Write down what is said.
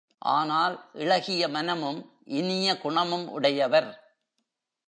ஆனால், இளகிய மனமும் இனிய குணமும் உடையவர்.